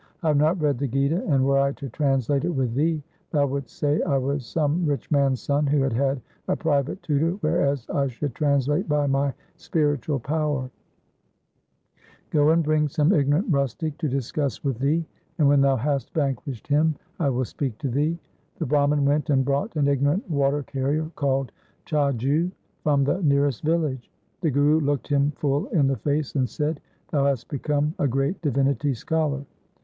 I have not read the Gita, and were I to translate it with thee, thou wouldst say I was some rich man's son who had had a private tutor, whereas I should translate by my spiritual power. Go and bring some ignorant rustic to discuss 1 Pandit Tara Singh's Gur Tirath Sangrah SIKH. IV Y 322 THE SIKH RELIGION with thee, and when thou hast vanquished him, I will speak to thee.' The Brahman went and brought an ignorant water carrier called Chhajju from the nearest village. The Guru looked him full in the face and said, ' Thou hast become a great divinity scholar.